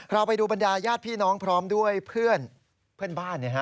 เราไปดูบรรดาญาติพี่น้องพร้อมด้วยเพื่อนบ้าน